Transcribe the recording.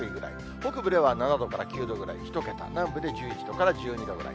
北部では７度から９度くらい、１桁、南部で１１度から１２度ぐらい。